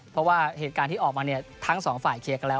เพราะว่าเหตุการณ์ที่ออกมาเนี่ยทั้งสองฝ่ายเคลียร์กันแล้ว